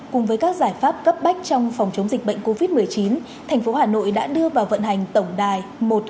cùng với các giải pháp cấp bách trong phòng chống dịch bệnh covid một mươi chín thành phố hà nội đã đưa vào vận hành tổng đài một trăm năm mươi